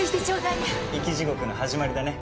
生き地獄の始まりだね。